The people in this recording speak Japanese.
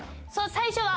最初は。